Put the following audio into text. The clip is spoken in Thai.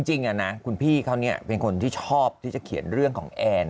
จริงนะคุณพี่เขาเป็นคนที่ชอบที่จะเขียนเรื่องของแอน